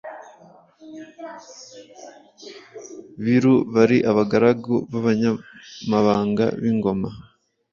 biru bari abagaragu n’Abanyamabanga b’ingoma,